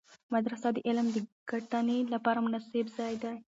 مدرسه د علم د ګټنې لپاره مناسب ځای دی.